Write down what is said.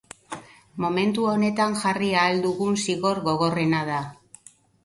Momentu honetan jarri ahal dugun zigor gogorrena da.